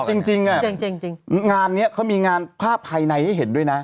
จริงอ่ะจริงงานนี้เขามีงานภาพภายในให้เห็นด้วยนะ